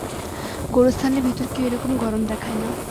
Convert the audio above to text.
গোরস্থানের ভেতর কেউ এরকম গরম দেখায় না।